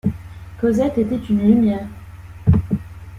Cosette était une lumière.